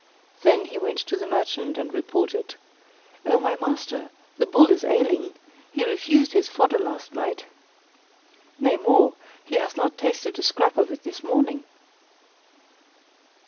Then he went to the merchant and reported, "O my master, the Bull is ailing; he refused his fodder last night; nay more, he hath not tasted a scrap of it this morning."